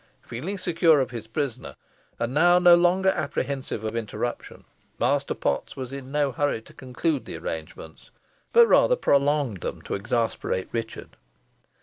Feeling secure of his prisoner, and now no longer apprehensive of interruption, Master Potts was in no hurry to conclude the arrangements, but rather prolonged them to exasperate Richard.